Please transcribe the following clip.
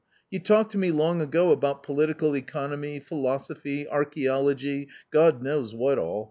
You talked to me long ago about political economy, philosophy, archaeology, God knows what all.